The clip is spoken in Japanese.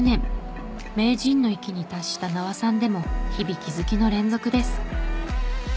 名人の域に達した名和さんでも日々気づきの連続です。